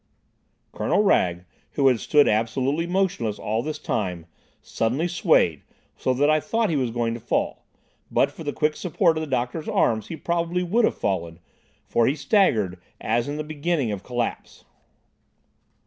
Colonel Wragge, who had stood absolutely motionless all this time, suddenly swayed, so that I thought he was going to fall,—and, but for the quick support of the doctor's arm, he probably would have fallen, for he staggered as in the beginning of collapse.